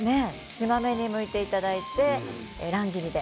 しま目にむいていただいて乱切りで。